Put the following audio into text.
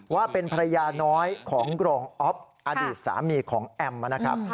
ว่าเป็นภรรยาน้อยของกรองอ๊อฟอดีตสามีของแอมนะครับ